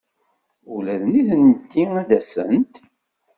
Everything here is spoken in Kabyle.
Ula d nitenti ad d-asent?